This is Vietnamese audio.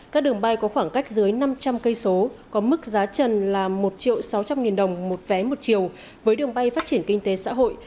các đường bay có khoảng cách dưới năm trăm linh cây số có mức giá trần là một sáu trăm linh nghìn đồng một vé một chiều với đường bay phát triển kinh tế xã hội